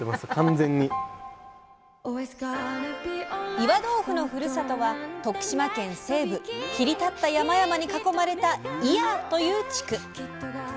岩豆腐のふるさとは徳島県西部切り立った山々に囲まれた祖谷という地区。